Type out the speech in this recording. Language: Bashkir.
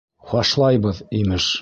Фашлайбыҙ, имеш!